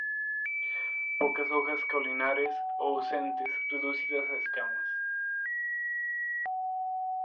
Pocas hojas caulinares o ausentes, reducida a escamas.